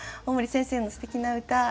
大森先生のすてきな歌